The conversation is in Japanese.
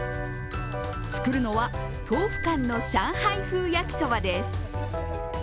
作るのは、豆腐干の上海風やきそばです。